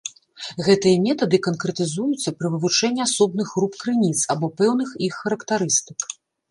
Гэтыя метады канкрэтызуюцца пры вывучэнні асобных груп крыніц, або пэўных іх характарыстык.